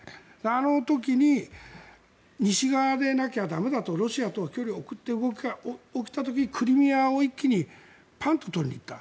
あの時に、西側でなきゃ駄目だとロシアと距離を置くという動きが起きた時にクリミアを一気にパンと取りにいった。